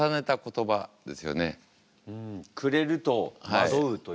「暮れる」と「惑う」という。